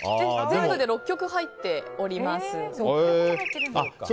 全部で６曲入っております。